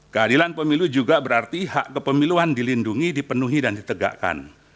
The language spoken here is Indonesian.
keadilan pemilu juga berarti hak kepemiluan dilindungi dipenuhi dan ditegakkan